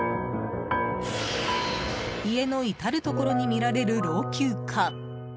家の至るところに見られる老朽化。